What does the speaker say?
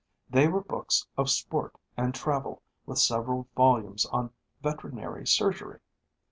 They were books of sport and travel with several volumes on veterinary surgery.